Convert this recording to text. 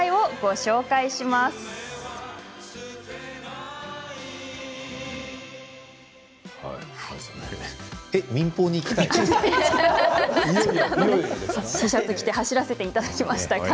笑い声走らせていただきました。